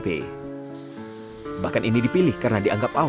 bahkan ini dipilih karena ini adalah jenis yang terkenal di dalam kaki palsu